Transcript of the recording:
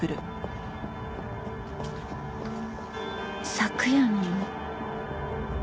昨夜の。